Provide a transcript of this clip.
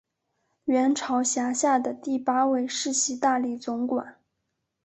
元朝辖下的第八位世袭大理总管。